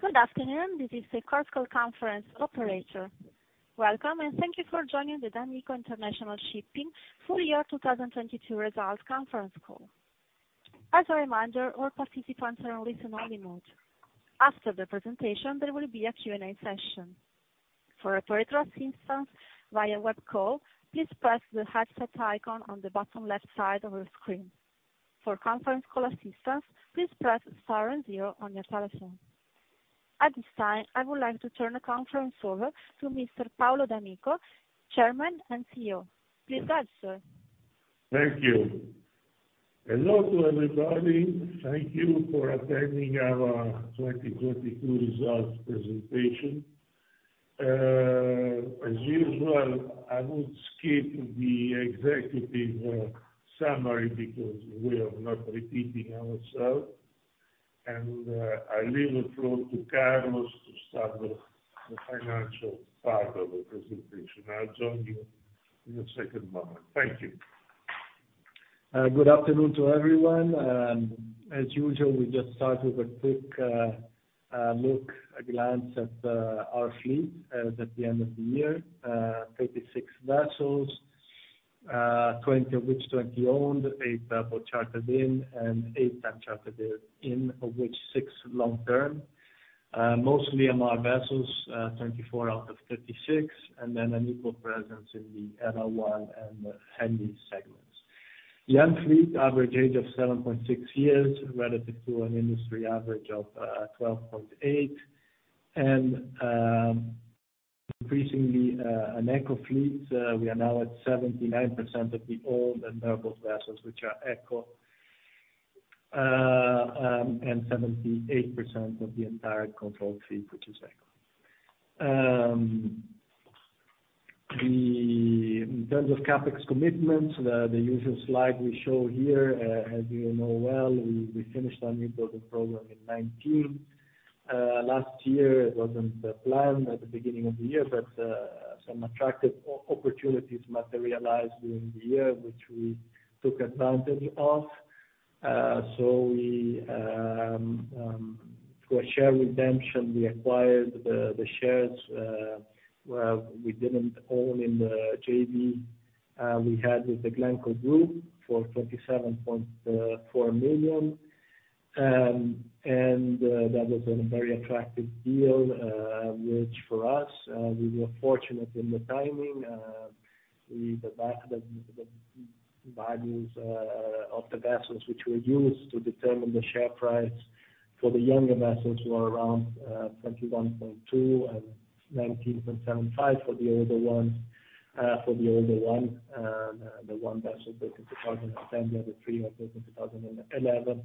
Good afternoon. This is the Chorus Call conference operator. Welcome, and thank you for joining the d'Amico International Shipping full year 2022 results conference call. As a reminder, all participants are in listen-only mode. After the presentation, there will be a Q&A session. For operator assistance via web call, please press the headset icon on the bottom left side of the screen. For conference call assistance, please press star and zero on your telephone. At this time, I would like to turn the conference over to Mr. Paolo d'Amico, Chairman and CEO. Please go ahead, sir. Thank you. Hello to everybody. Thank you for attending our 2022 results presentation. As usual, I would skip the executive summary because we are not repeating ourselves. I leave the floor to Carlos to start with the financial part of the presentation. I'll join you in a second moment. Thank you. Good afternoon to everyone. As usual, we just start with a quick look, a glance at our fleet at the end of the year. 36 vessels, 20 of which 20 owned, eight bareboat chartered in and eight time chartered in, of which six long term. Mostly MR vessels, 34 out of 36, and then a new presence in the LR1 and the Handy segments. Young fleet, average age of 7.6 years relative to an industry average of 12.8. Increasingly, an ECO fleet. We are now at 79% of the owned and vessels which are ECO. And 78% of the entire controlled fleet, which is ECO. In terms of CapEx commitments, the usual slide we show here, as you know well, we finished our new building program in 2019. Last year, it wasn't planned at the beginning of the year, but some attractive opportunities materialized during the year, which we took advantage of. We, for a share redemption, we acquired the shares we didn't own in the JV we had with the Glencore group for $27.4 million. That was a very attractive deal which for us we were fortunate in the timing. The values of the vessels which were used to determine the share price for the younger vessels were around $21.2 million and $19.75 million for the older one. The one vessel built in 2010, the other three were built in 2011.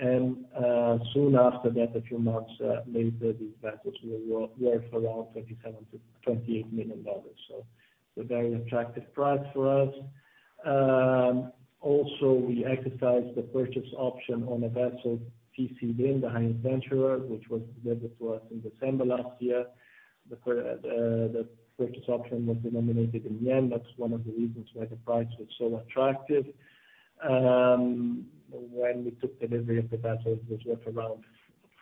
Soon after that, a few months later, these vessels were worth around $27 million-$28 million. It's a very attractive price for us. Also, we exercised the purchase option on a vessel TC-ed in, the High Adventurer, which was delivered to us in December last year. The purchase option was denominated in yen. That's one of the reasons why the price was so attractive. When we took delivery of the vessel, it was worth around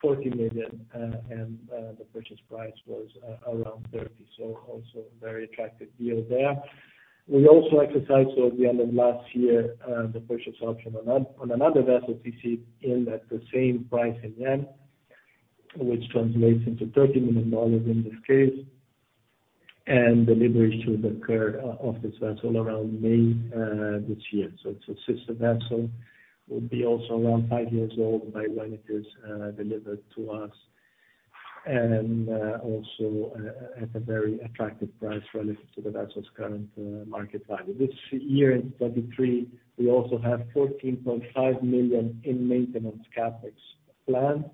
$40 million, and the purchase price was around $30 million. Also a very attractive deal there. We also exercised at the end of last year, the purchase option on another vessel TC in at the same price in yen, which translates into $30 million in this case. Delivery should occur of this vessel around May this year. It's a sister vessel. Will be also around five years old by when it is delivered to us. Also at a very attractive price relative to the vessel's current market value. This year in 2023, we also have $14.5 million in maintenance CapEx plan.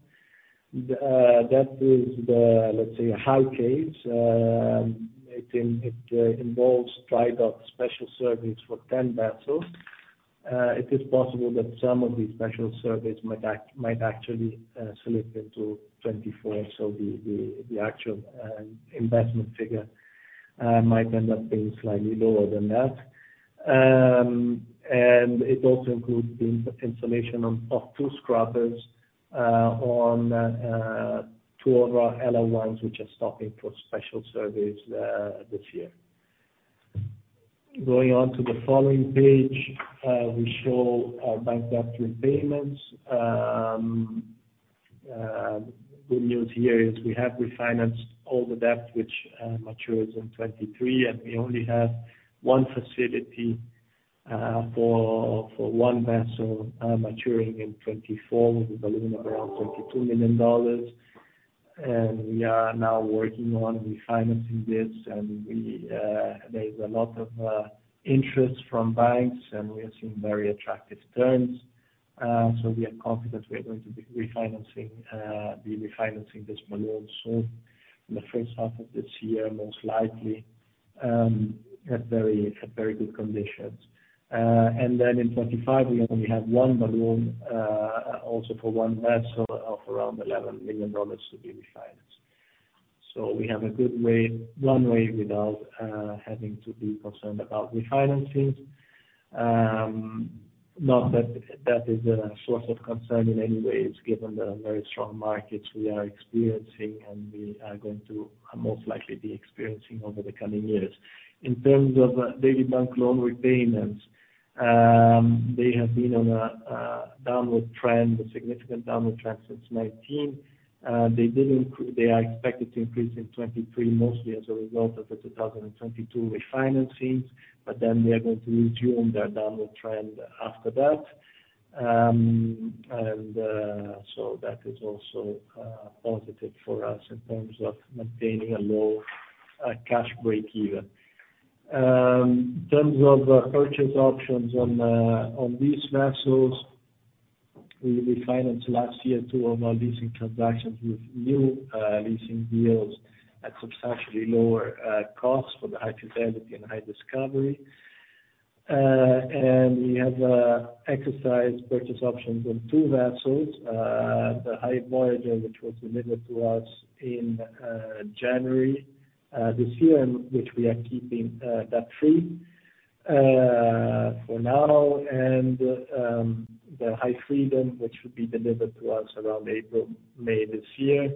That is the, let's say, high case. It involves dry dock special surveys for 10 vessels. It is possible that some of these special surveys might actually slip into 2024. The actual investment figure might end up being slightly lower than that. It also includes the installation of two scrubbers on two of our LR1s, which are stopping for special surveys this year. Going on to the following page, we show our bank debt repayments. Good news here is we have refinanced all the debt which matures in 2023, we only have one facility for one vessel maturing in 2024 with a balloon of around $22 million. We are now working on refinancing this, there is a lot of interest from banks, we are seeing very attractive terms. We are confident we are going to be refinancing this balloon soon, in the first half of this year, most likely, at very good conditions. In 2025, we only have one balloon, also for one vessel of around $11 million to be refinanced. We have a good way, runway without having to be concerned about refinancings. Not that that is a source of concern in any way. It's given the very strong markets we are experiencing, and we are going to most likely be experiencing over the coming years. In terms of daily bank loan repayments, they have been on a downward trend, a significant downward trend since 2019. They are expected to increase in 2023, mostly as a result of the 2022 refinancings. They are going to resume their downward trend after that. That is also positive for us in terms of maintaining a low cash breakeven. In terms of purchase options on these vessels, we refinanced last year two of our leasing transactions with new leasing deals at substantially lower costs for the High Fidelity and High Discovery. We have exercised purchase options on two vessels. The High Voyager, which was delivered to us in January this year, and which we are keeping that fleet for now. The High Freedom, which will be delivered to us around April, May this year,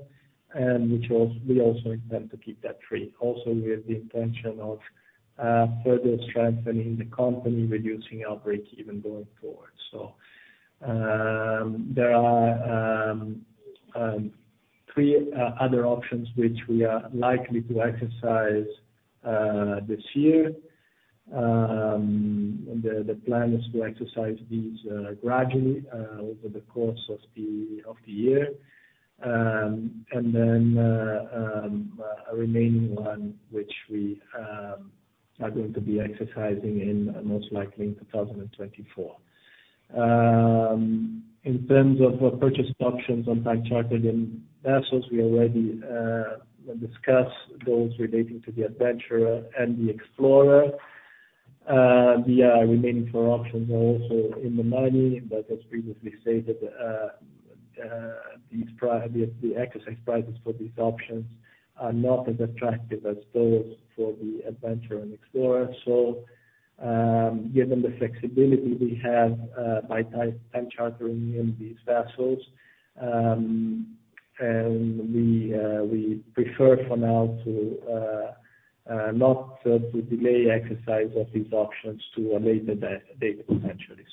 and which we also intend to keep that fleet. Also, we have the intention of further strengthening the company, reducing our breakeven going forward. There are three other options which we are likely to exercise this year. The plan is to exercise these gradually over the course of the year. A remaining one, which we are going to be exercising in most likely in 2024. In terms of our purchase options on time chartered in vessels, we already discussed those relating to the Adventurer and the Explorer. The remaining four options are also in the money, as previously stated, these exercise prices for these options are not as attractive as those for the Adventurer and Explorer. Given the flexibility we have by time chartering in these vessels, and we prefer for now not to delay exercise of these options to a later date potentially.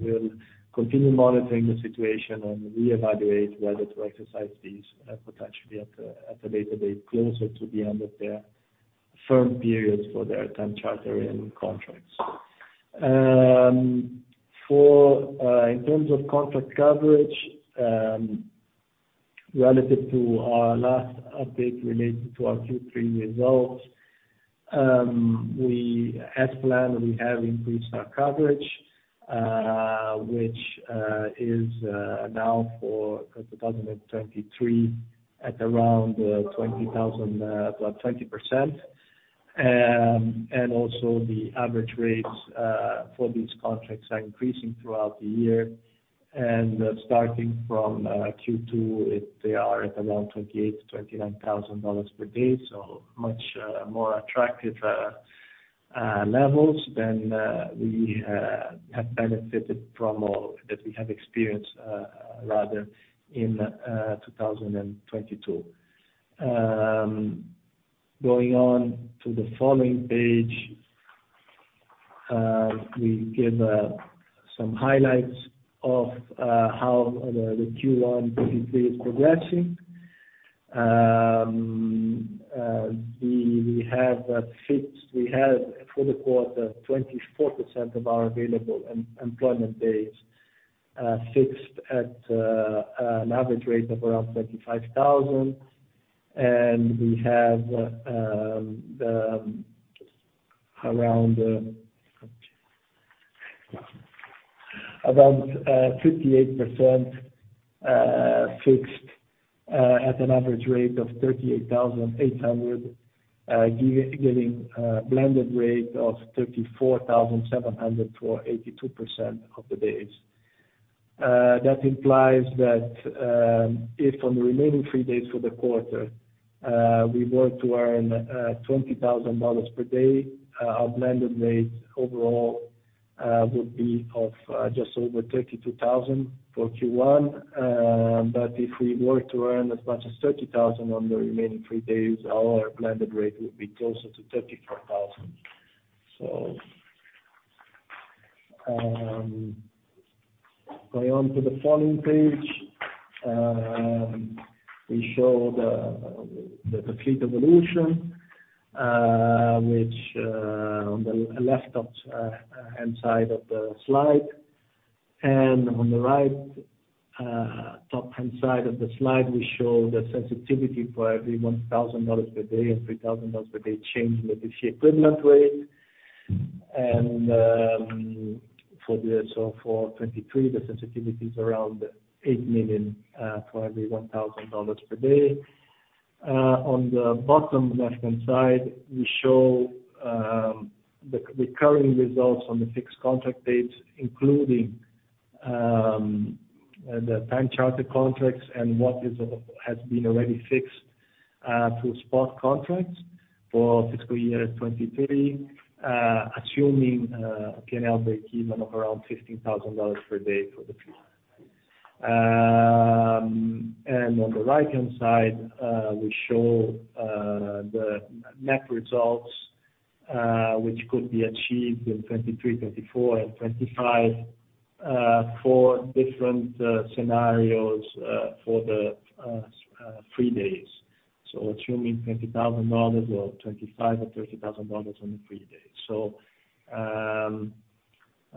We will continue monitoring the situation and reevaluate whether to exercise these potentially at a later date, closer to the end of their firm periods for their time chartering contracts. For in terms of contract coverage, relative to our last update related to our Q3 results, we as planned, we have increased our coverage, which is now for 2023 at around $20,000, well, 20%. Also the average rates for these contracts are increasing throughout the year. Starting from Q2, they are at around $28,000-$29,000 per day. Much more attractive levels than we have benefited from or that we have experienced rather in 2022. Going on to the following page, we give some highlights of how the Q1 2023 is progressing. We have for the quarter 24% of our available employment days fixed at an average rate of around $35,000. We have around 58% fixed at an average rate of $38,800, giving a blended rate of $34,700 for 82% of the days. That implies that if on the remaining three days for the quarter, we were to earn $20,000 per day, our blended rate overall would be of just over $32,000 for Q1. If we were to earn as much as $30,000 on the remaining three days, our blended rate would be closer to $34,000. Going on to the following page, we show the fleet evolution, which on the left-hand side of the slide and on the right, top-hand side of the slide, we show the sensitivity for every $1,000 per day and $3,000 per day change in the TC equivalent rate. For 2023, the sensitivity is around $8 million for every $1,000 per day. On the bottom left-hand side, we show the recurring results on the fixed contract dates, including the time charter contracts and what has been already fixed through spot contracts for fiscal year 2023, assuming P&L breakeven of around $15,000 per day for the fleet. On the right-hand side, we show the net results which could be achieved in 2023, 2024 and 2025 for different scenarios for the free days. Assuming $20,000 or $25,000 or $30,000 on the free days. Assuming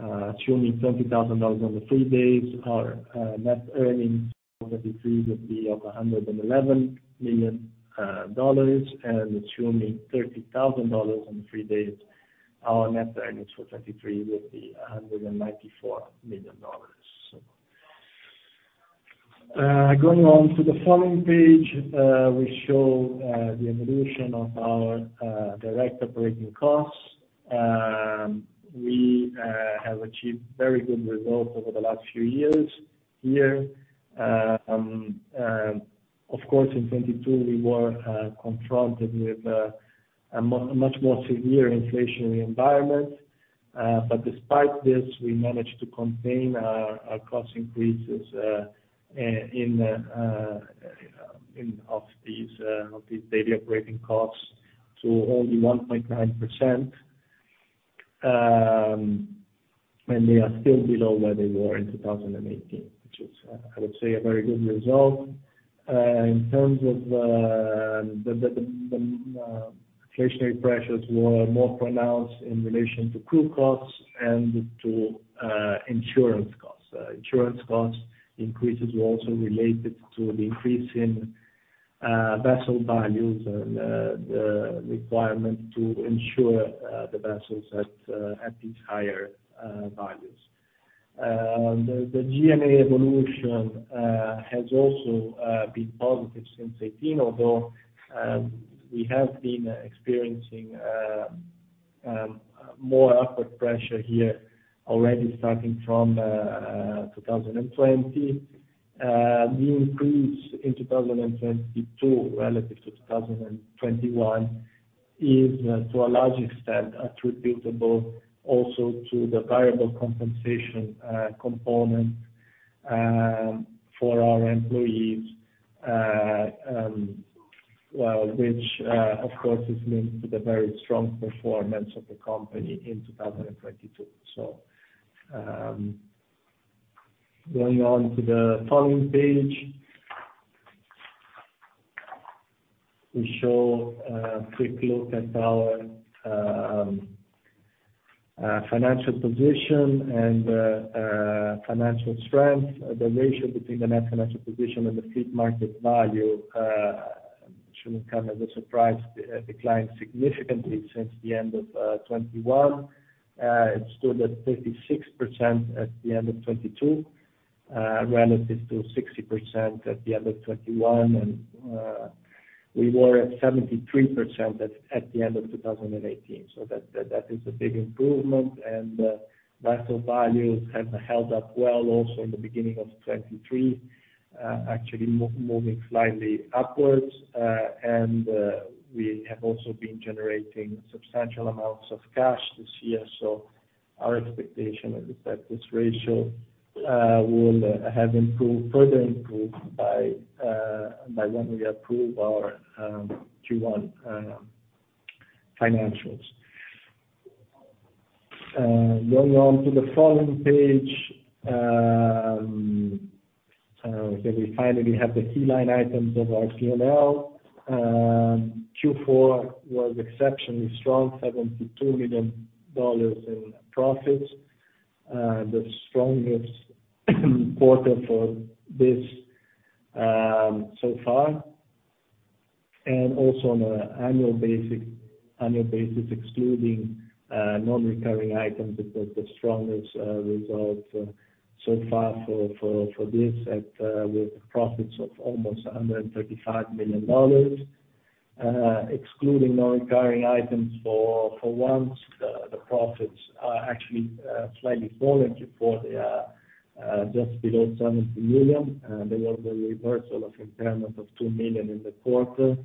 $20,000 on the free days, our net earnings for 2023 would be of $111 million, and assuming $30,000 on the free days, our net earnings for 2023 would be $194 million. Going on to the following page, we show the evolution of our direct operating costs. We have achieved very good results over the last few years here. Of course, in 2022 we were confronted with a much more severe inflationary environment, but despite this, we managed to contain our cost increases in of these daily operating costs to only 1.9%, and they are still below where they were in 2018, which is, I would say, a very good result. In terms of the inflationary pressures were more pronounced in relation to crew costs and to insurance costs. Insurance costs increases were also related to the increase in vessel values and the requirement to insure the vessels at these higher values. The G&A evolution has also been positive since 2018, although we have been experiencing more upward pressure here already starting from 2020. The increase in 2022 relative to 2021 is, to a large extent, attributable also to the variable compensation component for our employees, well, which of course is linked to the very strong performance of the company in 2022. Going on to the following page. We show a quick look at our financial position and financial strength. The ratio between the net financial position and the fleet market value, shouldn't come as a surprise, declined significantly since the end of 2021. It stood at 36% at the end of 2022, relative to 60% at the end of 2021. We were at 73% at the end of 2018. That is a big improvement. Vessel values have held up well also in the beginning of 2023, actually moving slightly upwards. We have also been generating substantial amounts of cash this year. Our expectation is that this ratio will have improved, further improved by when we approve our Q1 financials. Going on to the following page, where we finally have the key line items of our P&L. Q4 was exceptionally strong, $72 million in profits, the strongest quarter for this so far. On an annual basis, excluding non-recurring items, it was the strongest result so far for this with profits of almost $135 million. Excluding non-recurring items for once, the profits are actually slightly fallen for Q4, just below $70 million. There was a reversal of impairment of $2 million in the quarter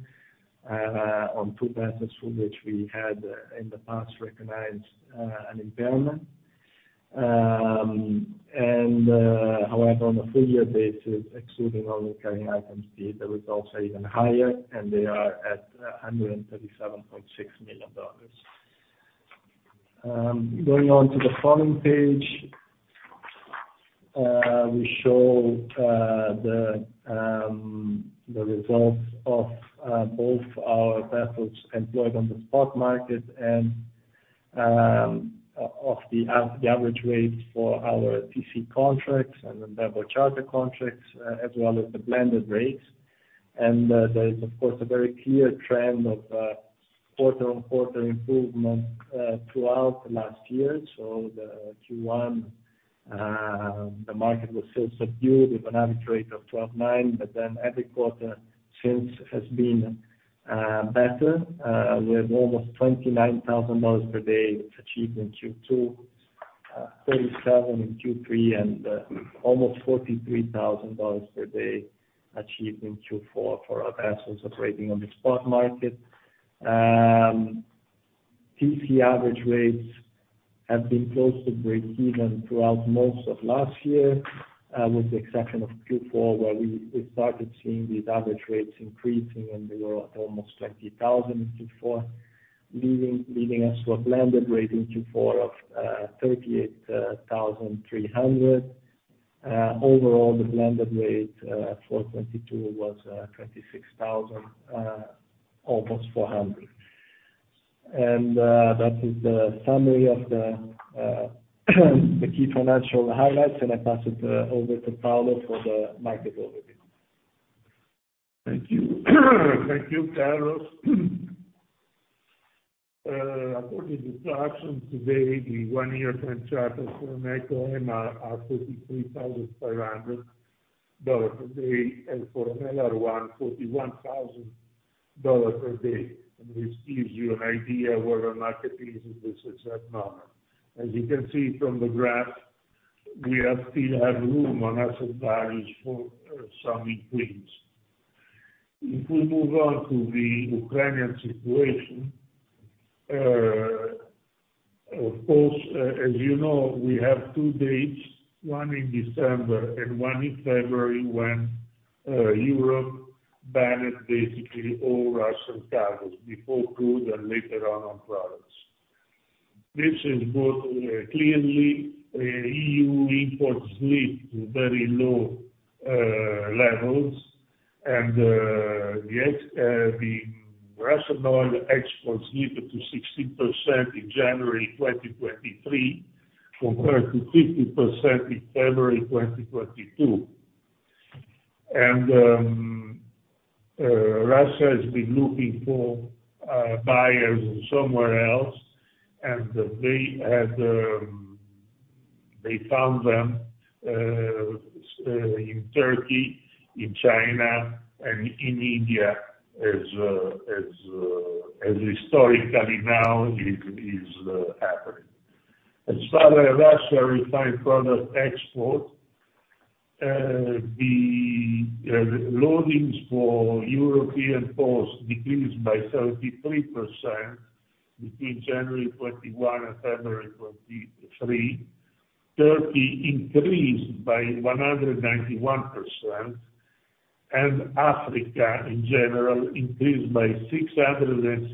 on two vessels from which we had in the past recognized an impairment. However, on a full year basis, excluding non-recurring items, the results are even higher, and they are at $137.6 million. Going on to the following page, we show the results of both our vessels employed on the spot market and of the average rates for our TC contracts and the bareboat charter contracts, as well as the blended rates. There is, of course, a very clear trend of quarter-on-quarter improvement throughout last year. The Q1, the market was still subdued with an average rate of $12,900, but then every quarter since has been better. We have almost $29,000 per day achieved in Q2, $37,000 in Q3, and almost $43,000 per day achieved in Q4 for our vessels operating on the spot market. TC average rates have been close to breakeven throughout most of last year, with the exception of Q4, where we started seeing these average rates increasing, they were at almost $20,000 in Q4, leading us to a blended rate in Q4 of $38,300. Overall, the blended rate for 2022 was $26,400. That is the summary of the key financial highlights, I pass it over to Paolo for the market overview. Thank you. Thank you, Carlos. According to Clarksons today, the one-year time charters for an ECO MR are $33,500 per day. For an LR1, $41,000 per day. This gives you an idea where the market is at this exact moment. As you can see from the graph, we still have room on asset values for some increase. If we move on to the Ukrainian situation, of course, as you know, we have two dates, one in December and one in February, when Europe banned basically all Russian cargos before crude and later on products. This is both, clearly, EU imports slipped to very low levels. The Russian oil exports slipped to 16% in January 2023 compared to 50% in February 2022. Russia has been looking for buyers somewhere else, they found them in Turkey, in China, and in India as historically known is happening. As far as Russia refined product export, the loadings for European ports decreased by 33% between January 2021 and February 2023. Turkey increased by 191%, and Africa in general increased by 664%.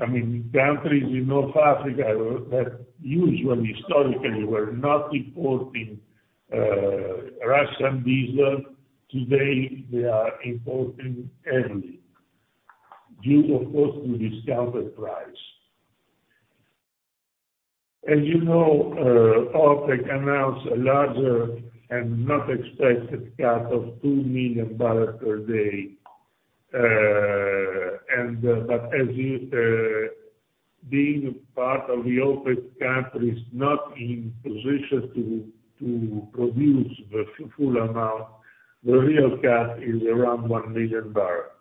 I mean, countries in North Africa were, that usually historically were not importing Russian diesel, today they are importing heavily due of course, to discounted price. As you know, OPEC announced a larger and not expected cut of 2 million barrels per day. As you, being a part of the OPEC countries not in position to produce the full amount, the real cut is around 1 million barrels.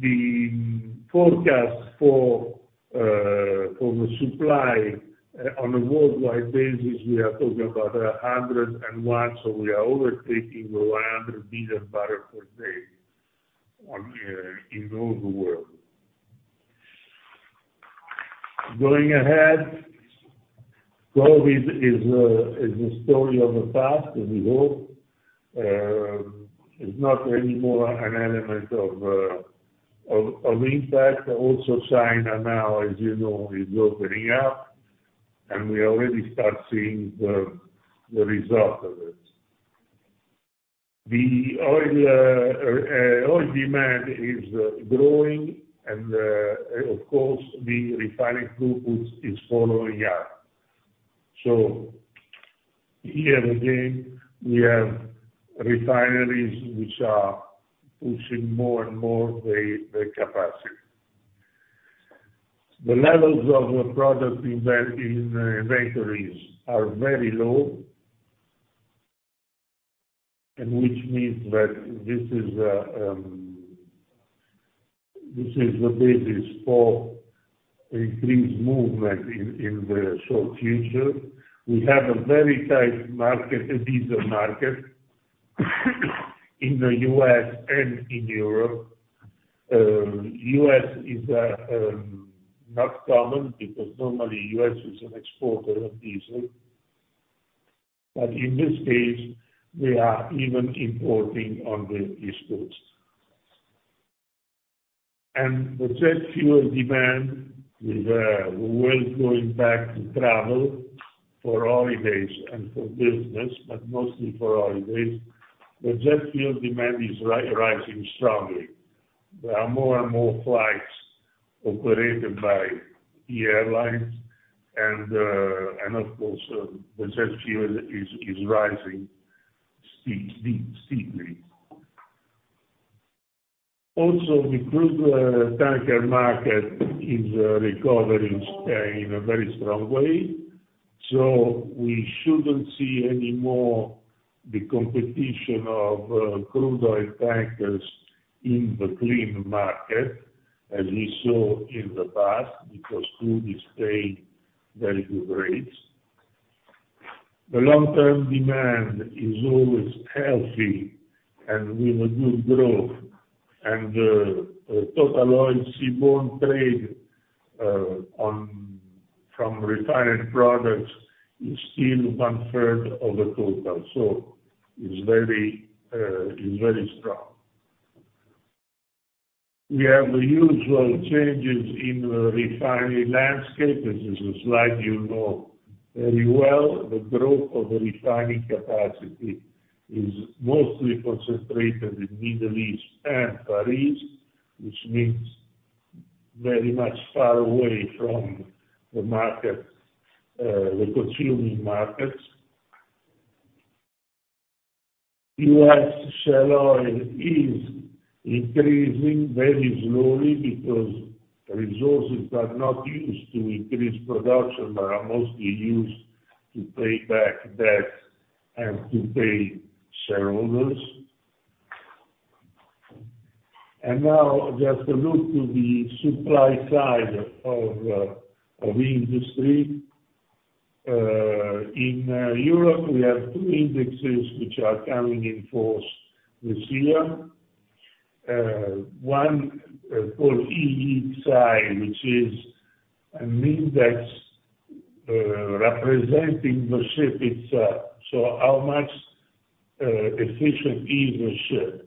The forecast for the supply on a worldwide basis, we are talking about 101, so we are over taking the 100 million barrels per day in all the world. Going ahead, COVID is a story of the past, as we hope. It's not any more an element of impact. China now, as you know, is opening up, and we already start seeing the result of it. The oil demand is growing and, of course, the refining throughput is following up. Here again, we have refineries which are pushing more and more the capacity. The levels of the product in inventories are very low. Which means that this is the basis for increased movement in the short future. We have a very tight market, a diesel market in the U.S. and in Europe. U.S. is not common because normally U.S. is an exporter of diesel. In this case, they are even importing on the East Coast. The jet fuel demand with world going back to travel for holidays and for business, but mostly for holidays, the jet fuel demand is rising strongly. There are more and more flights operated by the airlines and, of course, the jet fuel is rising steeply. The crude tanker market is recovering in a very strong way. We shouldn't see any more the competition of crude oil tankers in the clean market, as we saw in the past, because crude is paying very good rates. The long-term demand is always healthy and with a good growth. Total oil seaborne trade from refined products is still one third of the total. It's very strong. We have the usual changes in refinery landscape. This is a slide you know very well. The growth of refinery capacity is mostly concentrated in Middle East and Far East, which means very much far away from the markets, the consuming markets. U.S. shale oil is increasing very slowly because resources are not used to increase production, but are mostly used to pay back debt and to pay shareholders. Now, just to look to the supply side of the industry. In Europe, we have two indexes which are coming in force this year. One called EEXI, which is an index representing the ship itself. So how much efficient is the ship.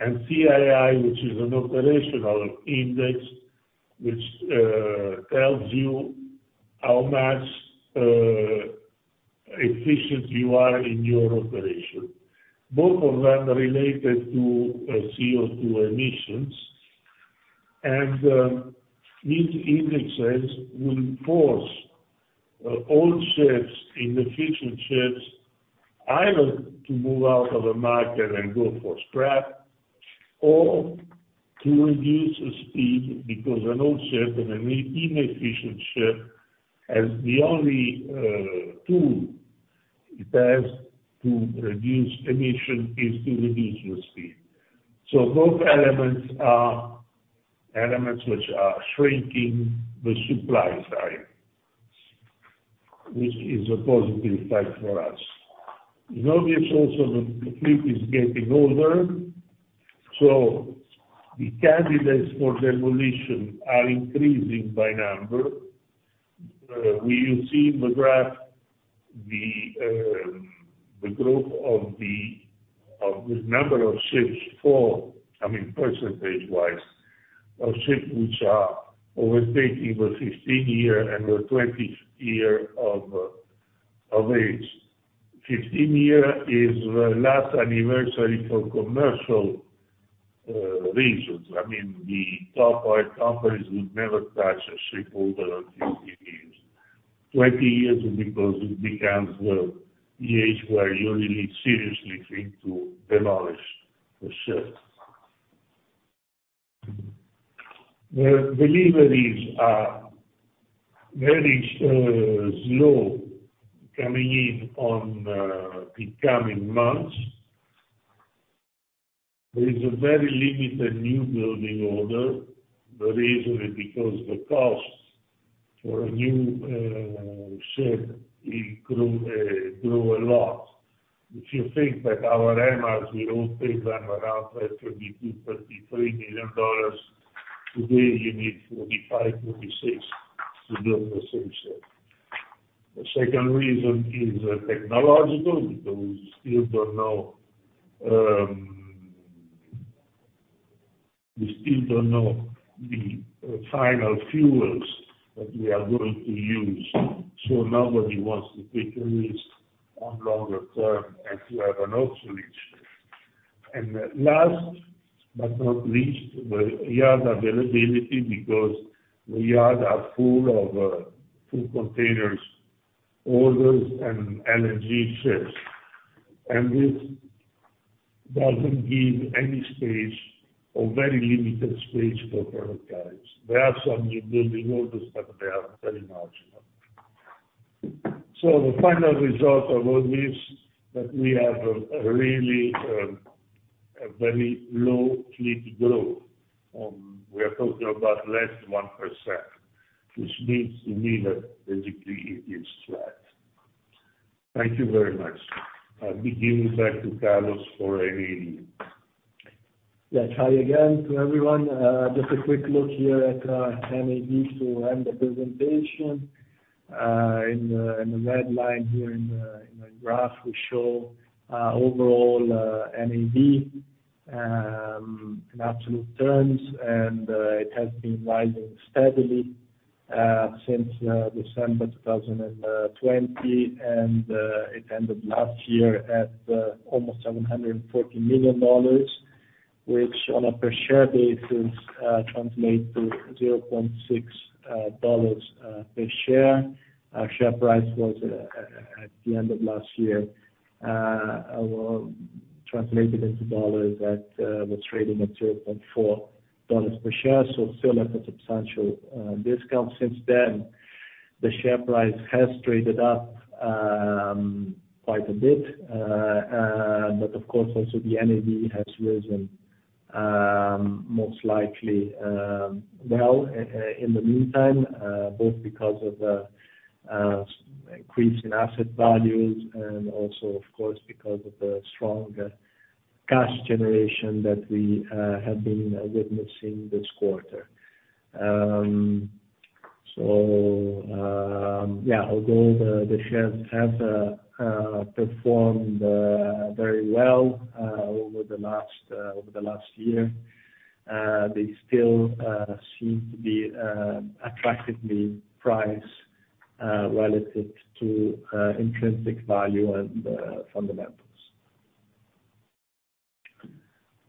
CII, which is an operational index, which tells you how much efficient you are in your operation. Both of them related to CO2 emissions. These indexes will force old ships and efficient ships either to move out of the market and go for scrap or to reduce speed, because an old ship and an inefficient ship, as the only tool it has to reduce emission is to reduce your speed. Both elements are elements which are shrinking the supply side, which is a positive effect for us. You notice also the fleet is getting older, so the candidates for demolition are increasing by number. We see in the graph the growth of the number of ships for, I mean, percentage-wise, of ship which are overstating the 15th year and the 20th year of age. 15 year is the last anniversary for commercial reasons. I mean, the top oil companies would never touch a ship older than 15 years. 20 years is because it becomes the age where you really seriously think to demolish the ship. The deliveries are very slow coming in on the coming months. There is a very limited new building order. The reason is because the costs for a new ship, it grow a lot. If you think that our MRs, we all paid them around $42 million-$43 million, today you need $45 million-$46 million to build the same ship. The second reason is technological, because we still don't know the final fuels that we are going to use, so nobody wants to take a risk on longer term and to have an obsolete ship. Last but not least, the yard availability, because the yard are full of full containers orders and LNG ships. This doesn't give any space or very limited space for product carriers. There are some new building orders, but they are very marginal. The final result of all this, that we have a really, a very low fleet growth. We are talking about less than 1%, which means to me that the degree is flat. Thank you very much. I'll be giving back to Carlos for NAV. Yeah. Just a quick look here at NAV to end the presentation. In the red line here in the graph, we show overall NAV in absolute terms, and it has been rising steadily since December 2020, and it ended last year at almost $740 million, which on a per share basis translates to $0.6 per share. Our share price was at the end of last year, I will translate it into dollars at the trading at $2.4 per share, so still at a substantial discount. Since then, the share price has traded up quite a bit. Of course also the NAV has risen most likely in the meantime both because of the increase in asset values and also of course because of the strong cash generation that we have been witnessing this quarter. Although the shares have performed very well over the last over the last year, they still seem to be attractively priced relative to intrinsic value and fundamentals.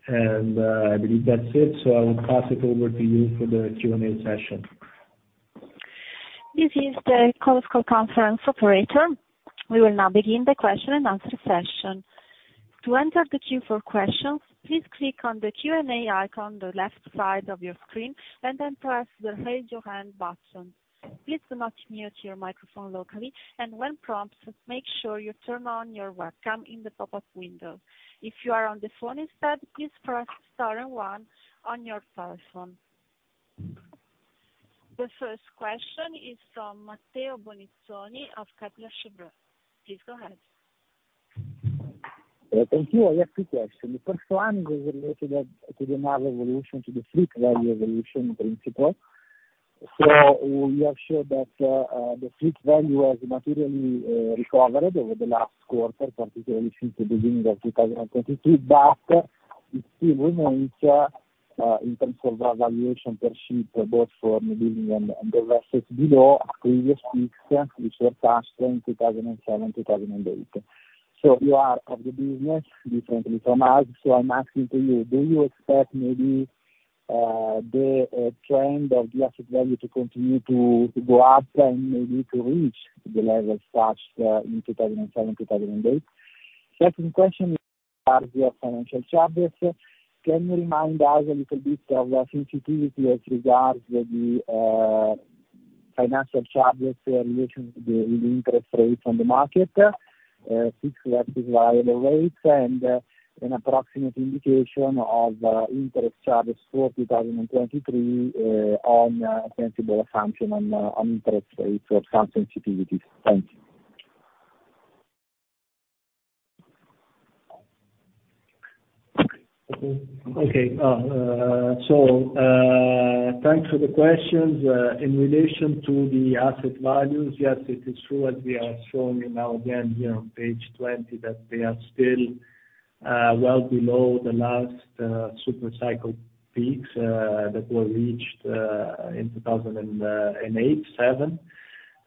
I believe that's it. I will pass it over to you for the Q&A session. This is the Chorus Call conference operator. We will now begin the question and answer session. To enter the queue for questions, please click on the Q&A icon on the left side of your screen, and then press the Raise Your Hand button. Please do not mute your microphone locally, and when prompted, make sure you turn on your webcam in the pop-up window. If you are on the phone instead, please press star and one on your telephone. The first question is from Matteo Bonizzoni of Kepler Cheuvreux. Please go ahead. Thank you. I have two questions. The first one is related to the market evolution, to the fleet value evolution in principle. You have showed that the fleet value has materially recovered over the last quarter, particularly since the beginning of 2022. It still remains in terms of valuation per ship, both for newbuilding and versus below previous peaks which were touched in 2007, 2008. You are out of the business differently from us. I'm asking to you, do you expect maybe the trend of the asset value to continue to go up and maybe to reach the levels touched in 2007, 2008? Second question regards your financial charges. Can you remind us a little bit of sensitivity with regards to the financial charges related to the interest rates on the market, fixed versus variable rates, and an approximate indication of interest charges for 2023, on a sensible assumption on interest rates or some sensitivities? Thank you. Okay. Thanks for the questions. In relation to the asset values, yes, it is true, as we are showing now again here on page 20, that they are still well below the last super cycle peaks that were reached in 2008, 2007.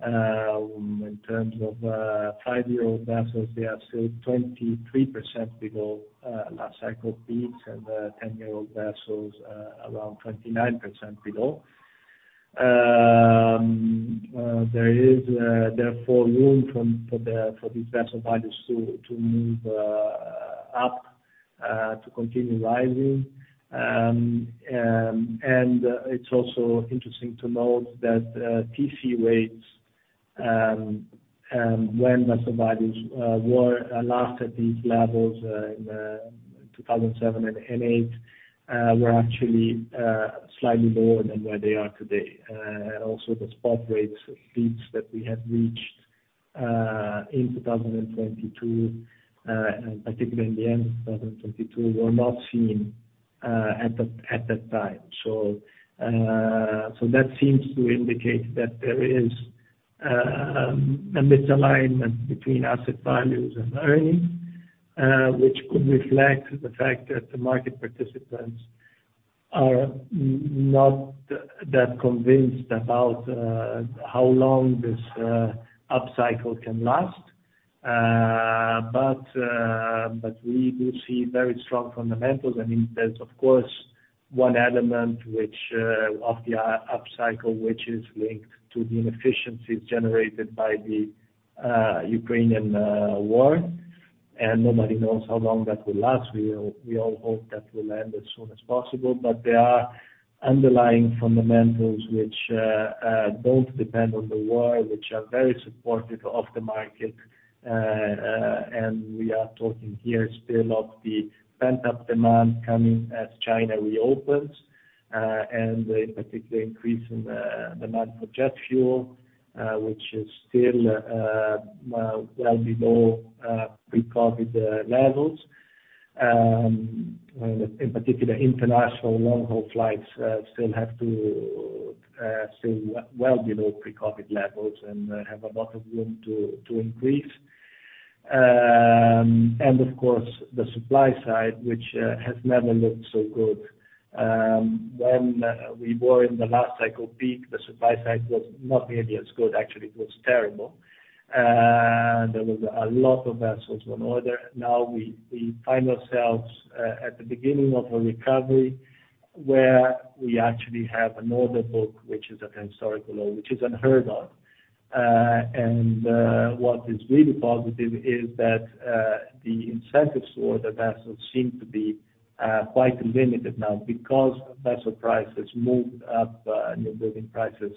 In terms of five-year-old vessels, they are still 23% below last cycle peaks, and 10-year-old vessels around 29% below. There is therefore room for these vessel values to move up to continue rising. It's also interesting to note that TC rates when vessel values were last at these levels in 2007 and 2008 were actually slightly lower than where they are today. The spot rates peaks that we have reached in 2022, and particularly in the end of 2022, were not seen at that time. That seems to indicate that there is a misalignment between asset values and earnings, which could reflect the fact that the market participants are not that convinced about how long this up cycle can last. We do see very strong fundamentals. I mean, there's of course, one element which of the up cycle, which is linked to the inefficiencies generated by the Ukrainian war, and nobody knows how long that will last. We all hope that will end as soon as possible. There are underlying fundamentals which both depend on the war, which are very supportive of the market. We are talking here still of the pent-up demand coming as China reopens, and in particular increase in demand for jet fuel, which is still well below pre-COVID levels. In particular, international long-haul flights still have to stay well below pre-COVID levels and have a lot of room to increase. Of course, the supply side, which has never looked so good. When we were in the last cycle peak, the supply side was not nearly as good. Actually, it was terrible. There was a lot of vessels on order. Now we find ourselves at the beginning of a recovery where we actually have an order book, which is at an historical low, which is unheard of. What is really positive is that the incentives for the vessels seem to be quite limited now because vessel prices moved up, new building prices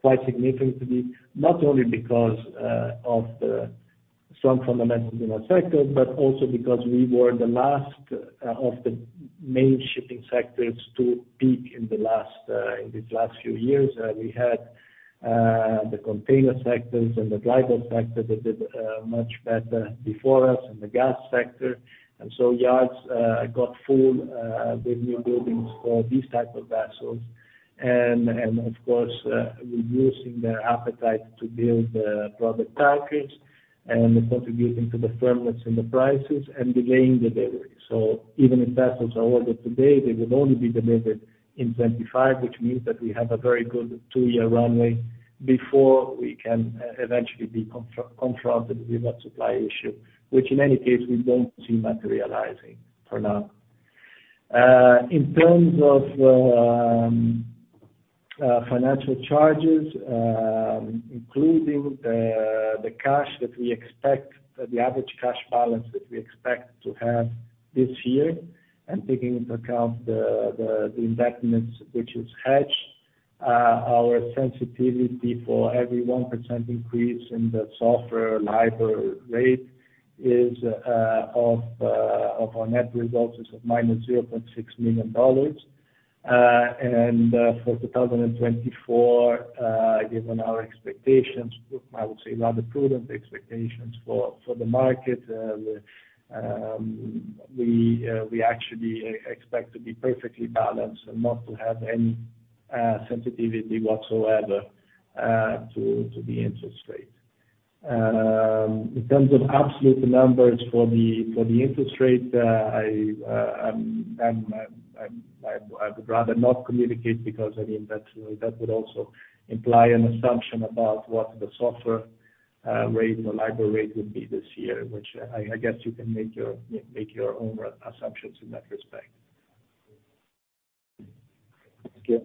quite significantly, not only because of the strong fundamentals in our sector, but also because we were the last of the main shipping sectors to peak in the last in these last few years. We had the container sectors and the global sector that did much better before us, and the gas sector. Yards got full with new buildings for these type of vessels. Of course, reducing their appetite to build product tankers and contributing to the firmness in the prices and delaying the delivery. Even if vessels are ordered today, they will only be delivered in 2025, which means that we have a very good two-year runway before we can eventually be confronted with that supply issue, which in any case we don't see materializing for now. In terms of financial charges, including the cash that we expect, the average cash balance that we expect to have this year, and taking into account the investments, which is hedged, our sensitivity for every 1% increase in the SOFR/LIBOR rate is of our net results is of -$0.6 million. For 2024, given our expectations, I would say rather prudent expectations for the market, we actually expect to be perfectly balanced and not to have any sensitivity whatsoever to the interest rate. In terms of absolute numbers for the interest rate, I would rather not communicate because I mean, that would also imply an assumption about what the SOFR rate or LIBOR rate would be this year, which I guess you can make your own assumptions in that respect. Thank you.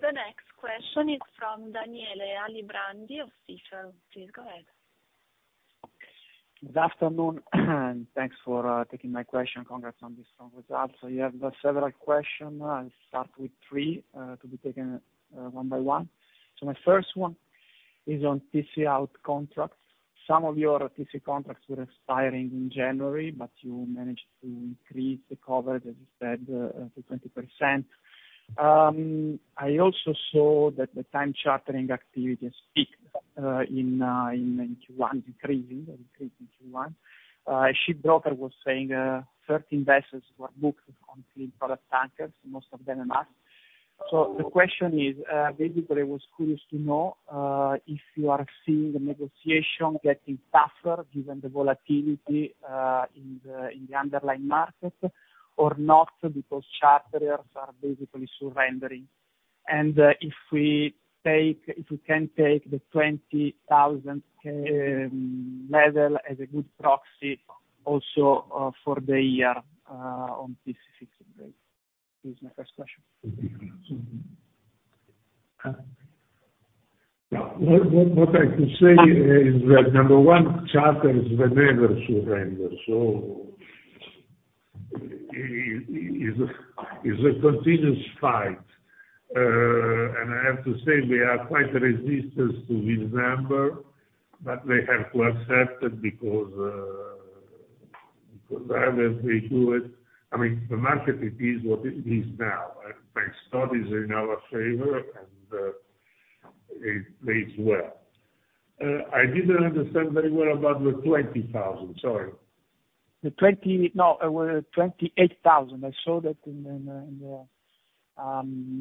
The next question is from Daniele Alibrandi of Stifel. Please go ahead. Good afternoon, thanks for taking my question. Congrats on these strong results. Yeah, I've got several question. I'll start with three to be taken one by one. My first one is on TC out contracts. Some of your TC contracts were expiring in January, but you managed to increase the cover, as you said, up to 20%. I also saw that the time chartering activity has peaked in Q1, increasing, increased in Q1. A shipbroker was saying 13 vessels were booked on clean product tankers, most of them are ours. The question is, basically, I was curious to know if you are seeing the negotiation getting tougher given the volatility in the underlying market or not because charterers are basically surrendering. If we can take the $20,000 level as a good proxy also for the year on TC fixing rate. This is my first question. Mm-hmm. Yeah. What, what I can say is that, number one, charterers never surrender. Is a continuous fight. I have to say, we are quite resistant to this number, but we have to accept it because, however we do it, I mean, the market it is what it is now. My studies are in our favor, and it plays well. I didn't understand very well about the $20,000. Sorry. $28,000. I saw that in in the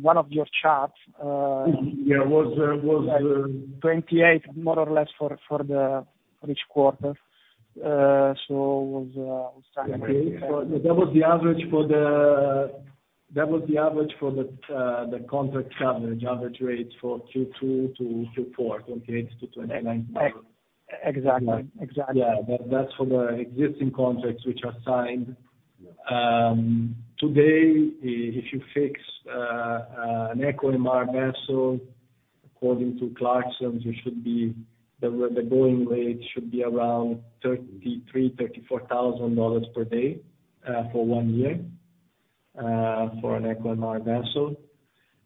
one of your charts. Yeah. Was. $28,000 more or less for each quarter. was. That was the average for the contract coverage, average rates for Q2 2028-Q4 2029. Exactly. That's for the existing contracts which are signed. Today, if you fix an ECO MR vessel according to Clarksons, the going rate should be around $33,000-$34,000 per day for one year for an ECO MR vessel.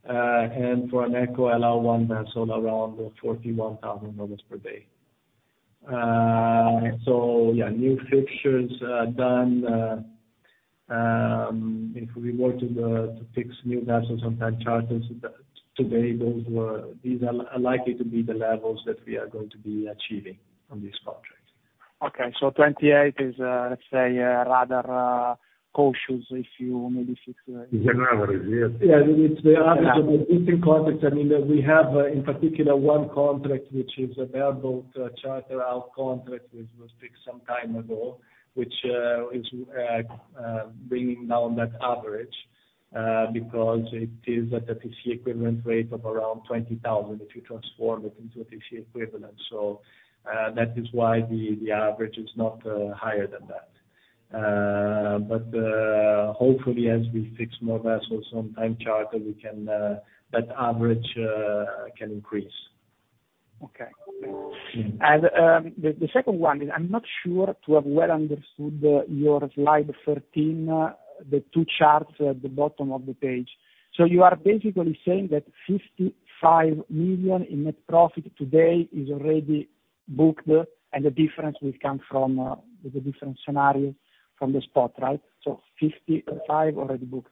For an ECO LR1 vessel, around $41,000 per day. New fixtures done, if we were to fix new vessels on time charters today, these are likely to be the levels that we are going to be achieving on these contracts. Okay. $28,000 is, let's say, rather cautious if you maybe fix. Is an average, yes. Yeah. It's the average of existing contracts. I mean, we have in particular one contract, which is a bareboat charter out contract, which was fixed some time ago, which is bringing down that average, because it is at a TC equivalent rate of around $20,000 if you transform it into a TC equivalent. That is why the average is not higher than that. Hopefully as we fix more vessels on time charter, we can that average can increase. Okay. The second one is I'm not sure to have well understood your slide 13, the two charts at the bottom of the page. You are basically saying that $55 million in net profit today is already booked, and the difference will come from the different scenario from the spot, right? $55 million already booked.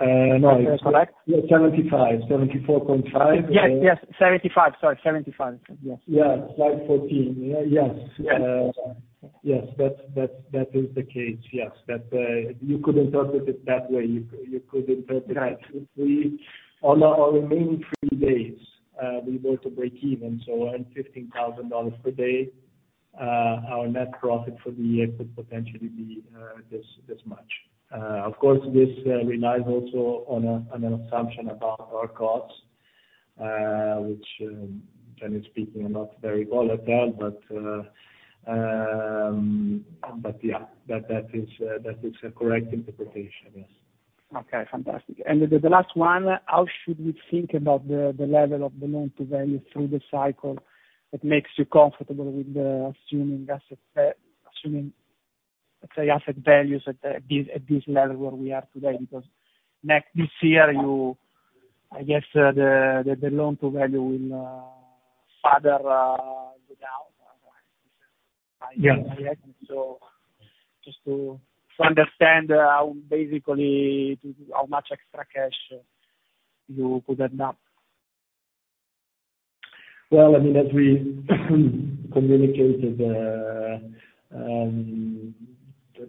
No. Is that correct? $75 million. $74.5 million. Yes, yes. $75 million, sorry. $75 million. Yes. Yeah. Slide 14. Yes. Yes. Yes. That is the case, yes. That, you could interpret it that way. You could interpret it. Right. On our remaining three days, we were to break even, so earn $15,000 per day, our net profit for the year could potentially be this much. Of course, this relies also on an assumption about our costs, which generally speaking are not very volatile. But yeah, that is a correct interpretation, yes. Okay, fantastic. The last one, how should we think about the level of the loan to value through the cycle that makes you comfortable with assuming asset assuming, let's say, asset values at this level where we are today? This year, you I guess the loan to value will further go down. Yeah. Just to understand how basically how much extra cash you could end up? Well, I mean, as we communicated,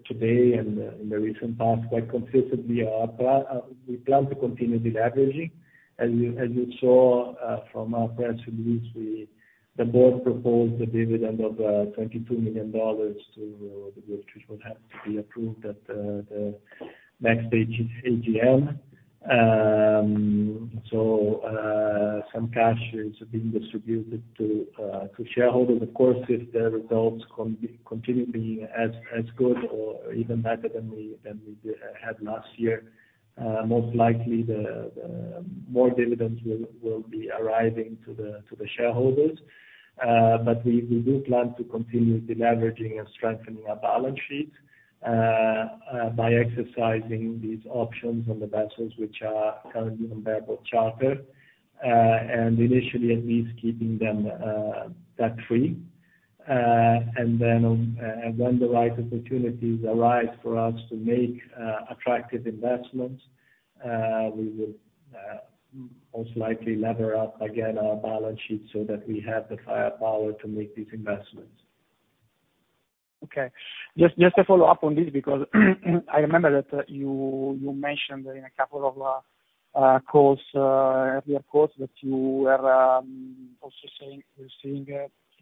today and in the recent past, quite consistently, our plan, we plan to continue deleveraging. As you saw from our press release, The board proposed a dividend of $22 million to the shareholders, which has to be approved at the next AGM. Some cash is being distributed to shareholders. Of course, if the results continue being as good or even better than we had last year, most likely the more dividends will be arriving to the shareholders. We do plan to continue deleveraging and strengthening our balance sheet by exercising these options on the vessels which are currently on bareboat charter, and initially at least keeping them debt free. When the right opportunities arise for us to make attractive investments, we will most likely lever up again our balance sheet so that we have the firepower to make these investments. Just to follow up on this, because I remember that you mentioned in a couple of calls, earlier calls that you were also saying you're seeing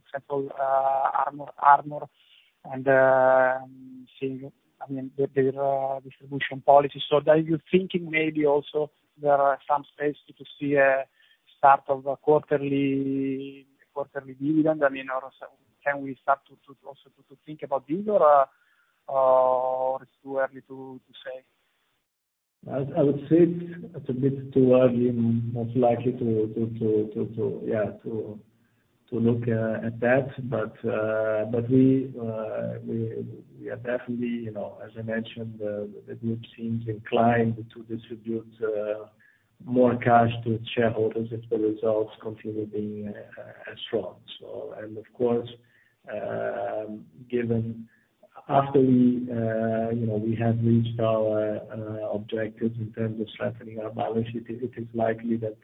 example Ardmore and seeing, I mean, the distribution policy. Are you thinking maybe also there are some space to see a start of a quarterly dividend? I mean, or can we start to also to think about this or it's too early to say? I would say it's a bit too early, most likely to look at that. We are definitely, you know, as I mentioned, the group seems inclined to distribute more cash to its shareholders if the results continue being as strong. Of course, given after we, you know, we have reached our objectives in terms of strengthening our balance sheet, it is likely that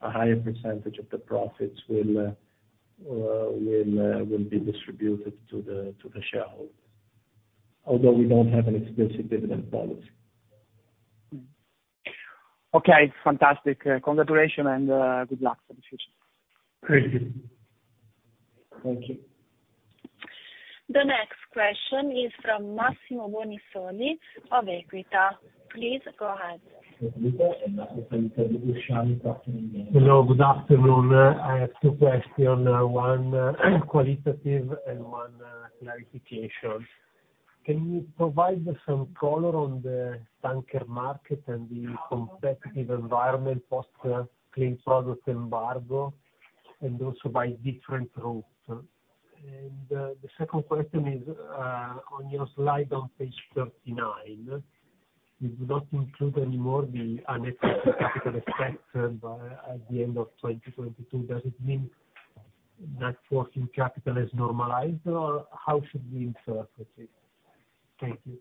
a higher percentage of the profits will be distributed to the shareholders, although we don't have an explicit dividend policy. Okay. Fantastic. Congratulations and good luck for the future. Thank you. Thank you. The next question is from Massimo Bonisoli of EQUITA. Please go ahead. Hello, good afternoon. I have two question, one qualitative and one clarification. Can you provide some color on the tanker market and the competitive environment post Clean Products embargo, and also by different routes? The second question is on your slide on page 39, you do not include any more the unexpected capital effect by at the end of 2022. Does it mean net working capital is normalized, or how should we interpret it? Thank you.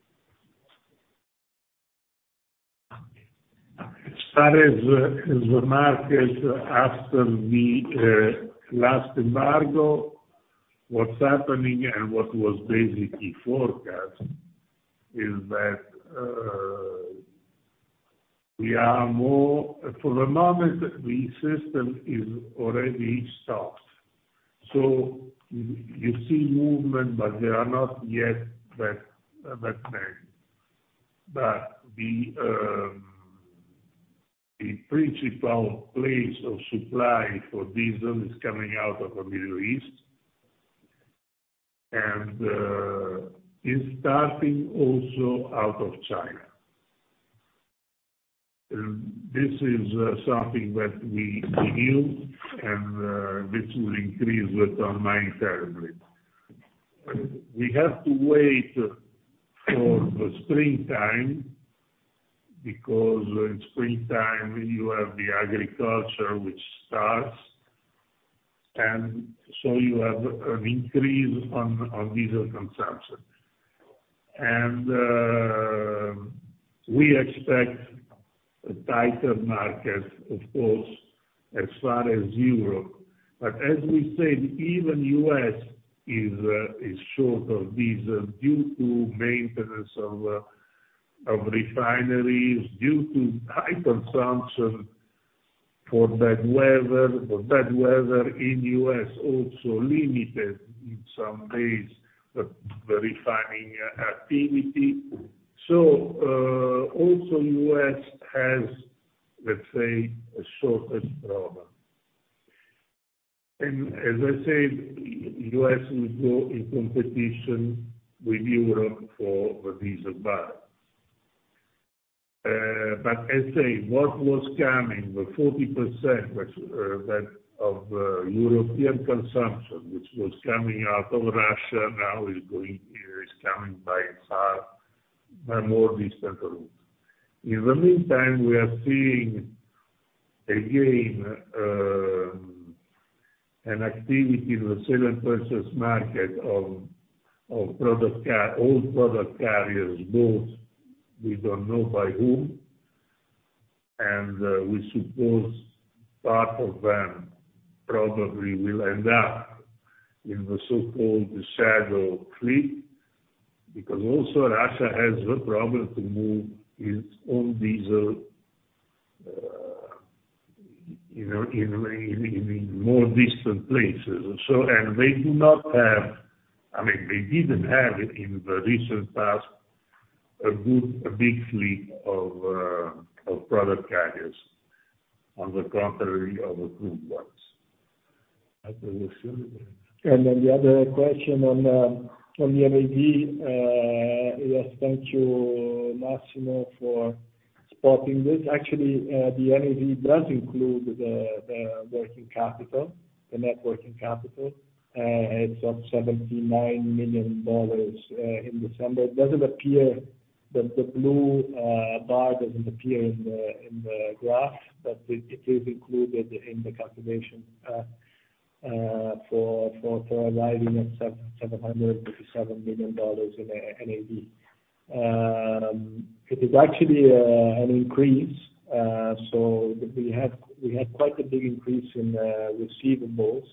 As far as the market after the last embargo, what's happening and what was basically forecast is that. For the moment, the system is already stocked. You see movement, but they are not yet that great. The principal place of supply for diesel is coming out of the Middle East. Is starting also out of China. This is something that we knew and this will increase with online terribly. We have to wait for the springtime, because in springtime you have the agriculture which starts. You have an increase on diesel consumption. We expect a tighter market, of course, as far as Europe. As we said, even U.S. Is short of diesel due to maintenance of refineries, due to high consumption for bad weather. The bad weather in U.S. also limited in some days the refining activity. Also U.S. has a shortage problem. As I said, U.S. will go in competition with Europe for the diesel buys. As said, what was coming, the 40% which that of European consumption, which was coming out of Russia now is coming by far, by more distant routes. In the meantime, we are seeing, again, an activity in the sale and purchase market of all product carriers, both we don't know by whom, and we suppose part of them probably will end up in the so-called shadow fleet. Because also Russia has the problem to move its own diesel, you know, in more distant places. They do not have, I mean, they didn't have it in the recent past, a good, a big fleet of product carriers, on the contrary of a good ones. The other question on the NAV, yes, thank you, Massimo, for spotting this. Actually, the NAV does include the working capital, the net working capital. It's up $79 million in December. It doesn't appear that the blue bar doesn't appear in the graph, but it is included in the calculation for arriving at $757 million in NAV. It is actually an increase, so we had quite a big increase in receivables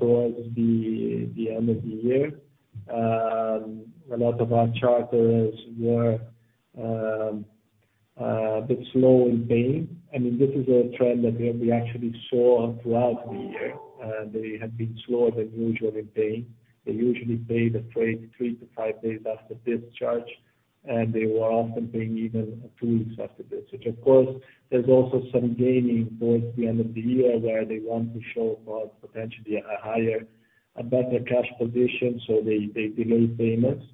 towards the end of the year. A lot of our charters were a bit slow in paying. I mean, this is a trend that we actually saw throughout the year. They have been slower than usual in paying. They usually pay the freight 3-5 days after discharge. They were often paying even two weeks after this. Of course, there's also some gaming towards the end of the year where they want to show for potentially a higher, a better cash position, so they delay payments.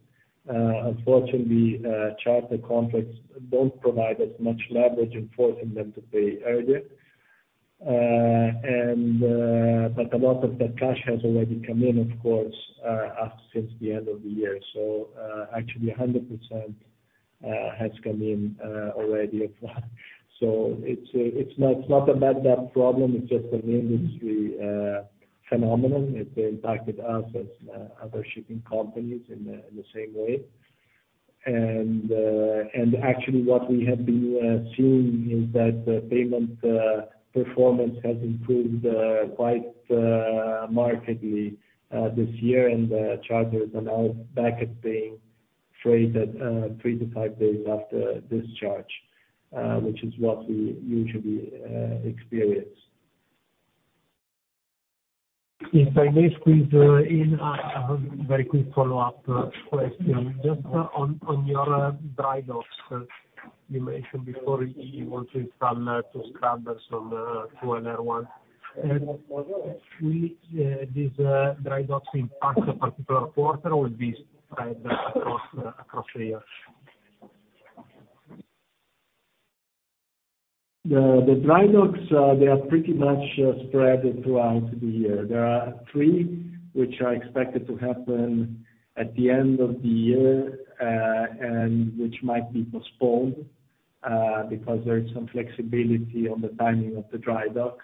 Unfortunately, charter contracts don't provide us much leverage in forcing them to pay earlier. A lot of that cash has already come in, of course, since the end of the year. Actually 100% has come in already at that. It's not a bad debt problem, it's just an industry phenomenon. It impacted us as other shipping companies in the same way. Actually what we have been seeing is that the payment performance has improved quite markedly this year. Charters are now back at paying freight at 3-5 days after discharge, which is what we usually experience. If I may squeeze in a very quick follow-up question. Just on your dry docks, you mentioned before you want to install two scrubbers on two LR1s. Will this dry docks impact a particular quarter or will be spread across the year? The dry docks, they are pretty much spread throughout the year. There are three which are expected to happen at the end of the year, which might be postponed, because there is some flexibility on the timing of the dry dock.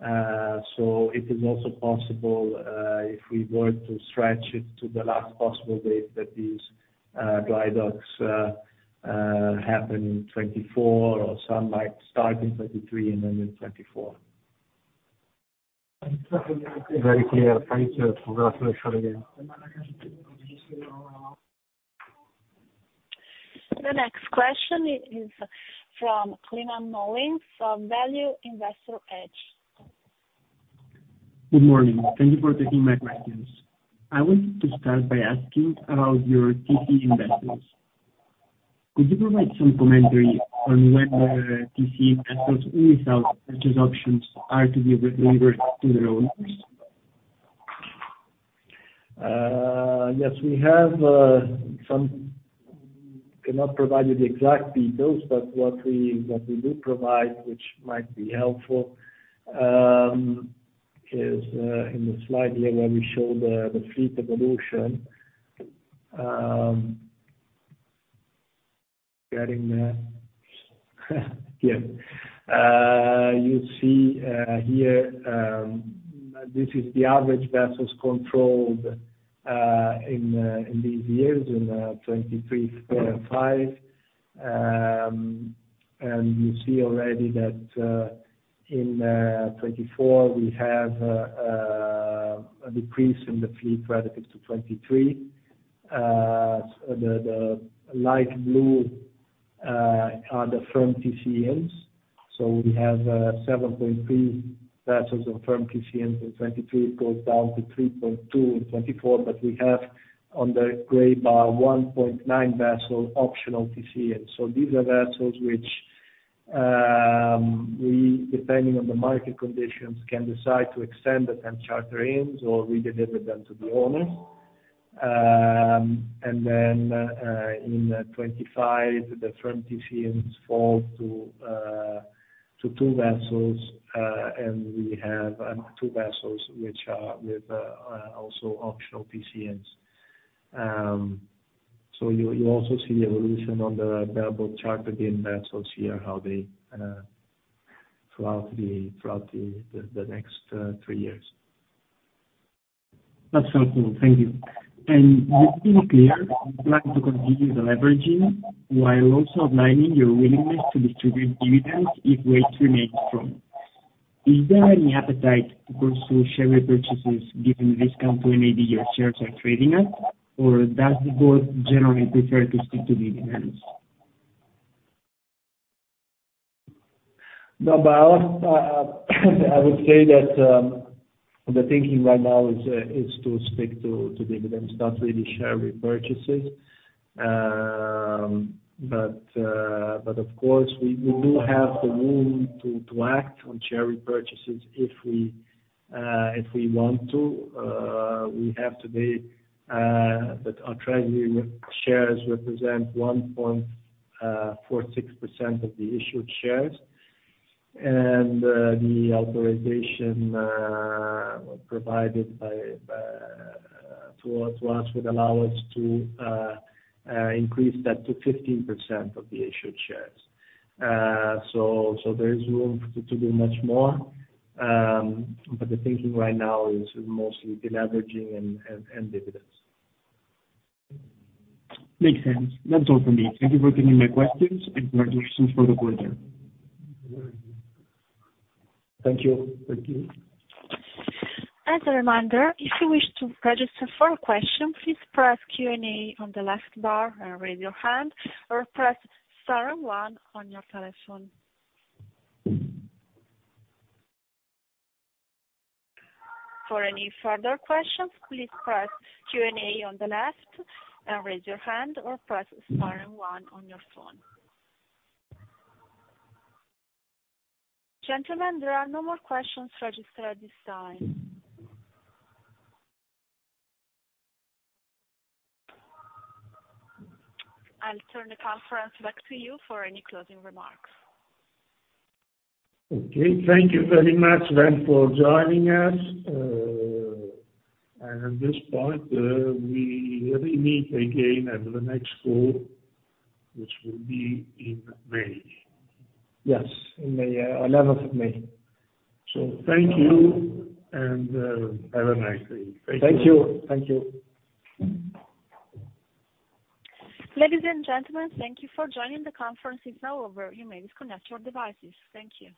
It is also possible, if we were to stretch it to the last possible date that these dry docks happen in 2024, or some might start in 2023 and end in 2024. Very clear. Thank you. Congratulations again. The next question is from Climent Molins from Value Investor's Edge Good morning. Thank you for taking my questions. I wanted to start by asking about your TC-in vessels. Could you provide some commentary on when the TC vessels without purchase options are to be re-delivered to their owners? Yes, we have. Cannot provide you the exact details, but what we do provide, which might be helpful, is in the slide here where we show the fleet evolution, getting there. You see here, this is the average vessels controlled in these years in 23.5. You see already that in 2024 we have a decrease in the fleet relative to 2023. The light blue are the firm TCIs. We have 7.3 vessels of firm TCIs in 2023. It goes down to 3.2 in 2024. We have on the gray bar 1.9 vessel optional TCIs. These are vessels which, we, depending on the market conditions, can decide to extend the time charter ends or redeliver them to the owners. In 2025, the firm TCIs fall to two vessels. We have two vessels which are with also optional TCIs. You also see the evolution on the bareboat chartered in vessels here, how they throughout the, throughout the next three years. That's helpful. Thank you. You've been clear you plan to continue the deleveraging while also outlining your willingness to distribute dividends if rates remain strong. Is there any appetite to pursue share repurchases given discount to maybe your shares are trading at or does the board generally prefer to stick to dividends? No, I'll, I would say that the thinking right now is to stick to dividends, not really share repurchases. Of course we do have the room to act on share repurchases if we want to. We have today that our treasury shares represent 1.46% of the issued shares. The authorization provided by us would allow us to increase that to 15% of the issued shares. There is room to do much more. The thinking right now is mostly deleveraging and dividends. Makes sense. That's all for me. Thank you for taking my questions. I look forward to the next quarter. Thank you. Thank you. As a reminder, if you wish to register for a question, please press Q&A on the left bar and raise your hand or press star and one on your telephone. For any further questions, please press Q&A on the left and raise your hand or press star and one on your phone. Gentlemen, there are no more questions registered at this time. I'll turn the conference back to you for any closing remarks. Okay. Thank you very much then for joining us. At this point, we really meet again at the next call, which will be in May. Yes, in May. 11th of May. Thank you, and have a nice day. Thank you. Thank you. Thank you. Ladies and gentlemen, thank you for joining the conference. It's now over. You may disconnect your devices. Thank you.